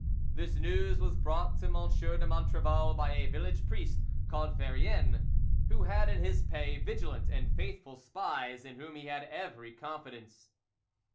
This news was brought to M. de Montrevel by a village priest called Verrien, who had in his pay vigilant and faithful spies in whom he had every confidence.